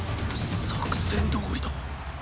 作戦どおりだ。